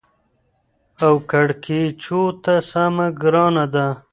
او کېړکیچو ته سمه ګرانه ده.